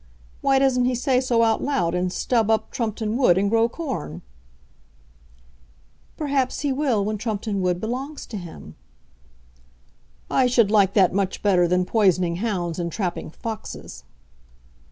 Why doesn't he say so out loud, and stub up Trumpeton Wood and grow corn?" "Perhaps he will when Trumpeton Wood belongs to him." "I should like that much better than poisoning hounds and trapping foxes."